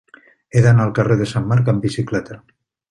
He d'anar al carrer de Sant Marc amb bicicleta.